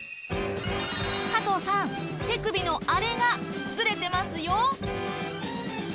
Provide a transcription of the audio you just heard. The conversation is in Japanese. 加藤さん、手首のアレがズレてますよ！